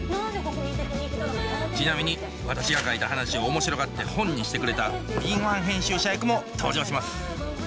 ちなみに私が書いた話を面白がって本にしてくれた敏腕編集者役も登場します